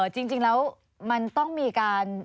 จริงแล้วมันต้องมีการ